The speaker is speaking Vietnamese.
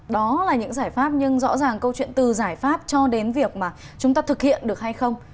đó là những giải pháp nhưng rõ ràng câu chuyện từ giải pháp cho đến việc mà chúng ta thực hiện được hay không